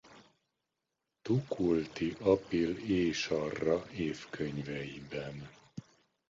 Tukulti-apil-ésarra évkönyveiben.